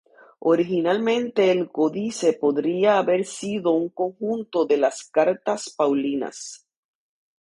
Originalmente el códice podría haber sido un conjunto de las Cartas paulinas.